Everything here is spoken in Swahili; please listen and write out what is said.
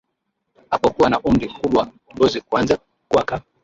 apokuwa na umri mkubwa ngozi kuanza kuwa kavu